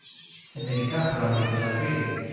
Σε μερικά χρόνια δηλαδή;